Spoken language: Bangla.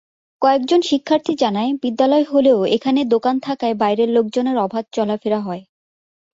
কয়েকজন শিক্ষার্থী জানায়, বিদ্যালয় হলেও এখানে দোকান থাকায় বাইরের লোকজনের অবাধ চলাফেরা হয়।